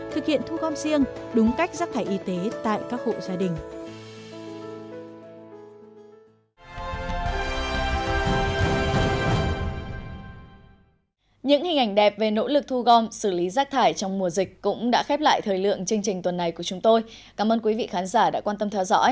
thực hiện thu gom riêng đúng cách rác thải y tế tại các hộ gia đình